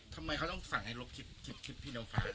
ทำไมเขาต้องสั่งให้ลบคลิปพี่โนฟ้า